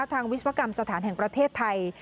วิศวกรรมสถานแห่งประเทศไทย